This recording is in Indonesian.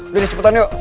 udah deh cepetan yuk